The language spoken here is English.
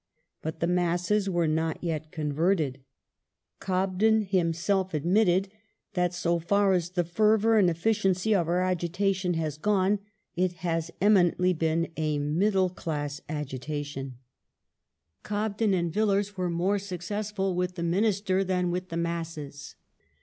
But the masses were not yet converted. Cobden himself frankly 1846] MINISTERIAL CONFUSION 173 admitted that " so fai* as the fervour and efficiency of our agitation has gone, it has eminently been a middle class agitation "} Cobden and Villiers were more successful with the Minister than with the masses.